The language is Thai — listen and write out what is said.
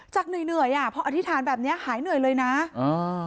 เหนื่อยเหนื่อยอ่ะพออธิษฐานแบบเนี้ยหายเหนื่อยเลยนะอ่า